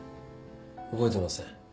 覚えてません。